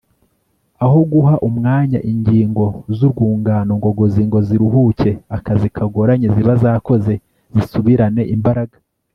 aho guha umwanya ingingo z'urwungano ngogozi ngo ziruhuke akazi kagoranye ziba zakoze zisubirane imbaraga